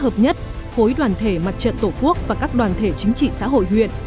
hợp nhất khối đoàn thể mặt trận tổ quốc và các đoàn thể chính trị xã hội huyện